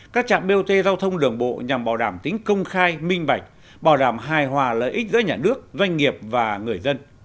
các trạm bot giao thông đường bộ nhằm bảo đảm tính công khai minh bạch bảo đảm hài hòa lợi ích giữa nhà nước doanh nghiệp và người dân